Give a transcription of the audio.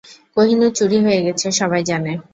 কোহিনূর চুরি হয়ে গেছে, সবাই জানে।